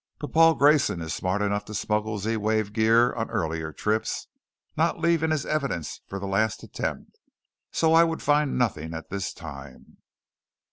But Paul Grayson is smart enough to smuggle the Z wave gear on earlier trips, not leaving his evidence for the last attempt, so I would find nothing at this time."